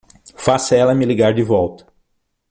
Faça ela me ligar de volta!